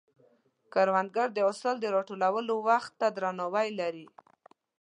کروندګر د حاصل د راټولولو وخت ته درناوی لري